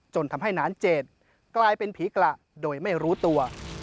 ทำให้นานเจดกลายเป็นผีกระโดยไม่รู้ตัว